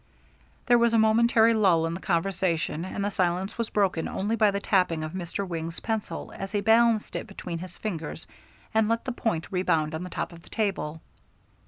There was a momentary lull in the conversation, and the silence was broken only by the tapping of Mr. Wing's pencil as he balanced it between his fingers and let the point rebound on the top of the table.